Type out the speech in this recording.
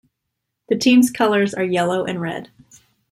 The team's colors are yellow and red.